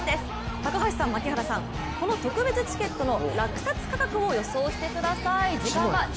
高橋さん、槙原さん、この特別チケットの落札価格を予想してください。